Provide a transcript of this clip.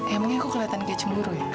emangnya kok keliatan kayak cemburu ya